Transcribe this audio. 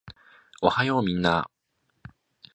おはようみんなー